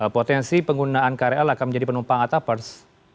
potensi penggunaan krl akan menjadi penumpang atapers